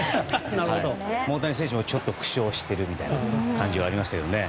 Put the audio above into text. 大谷選手はちょっと苦笑しているみたいな感じがありましたよね。